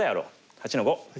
８の五。